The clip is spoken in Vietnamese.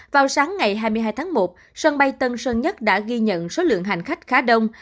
vào sáng ngày hai mươi hai tháng một sân bay tân sơn nhất đã ghi nhận số lượng hành khách khá đông